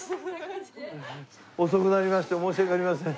遅くなりまして申し訳ありません。